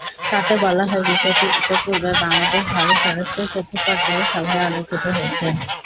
তাতে বলা হয়, বিষয়টি ইতিপূর্বে বাংলাদেশ-ভারত স্বরাষ্ট্রসচিব পর্যায়ের সভায়ও আলোচিত হয়েছে।